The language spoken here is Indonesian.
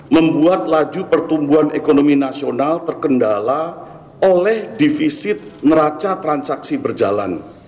membuat laju pertumbuhan ekonomi nasional terkendala oleh divisit neraca transaksi berjalan